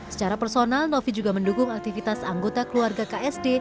secara personal novi juga mendukung aktivitas anggota keluarga ksd